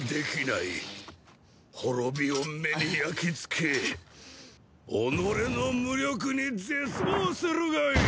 滅びを目に焼き付け己の無力に絶望するがいい！